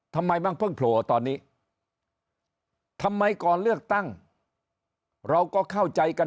มั่งเพิ่งโผล่ตอนนี้ทำไมก่อนเลือกตั้งเราก็เข้าใจกัน